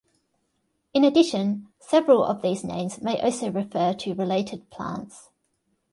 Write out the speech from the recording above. In addition, several of these names may also refer to related plants.